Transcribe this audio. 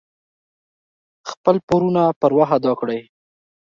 خپل پورونه پر وخت ادا کړئ.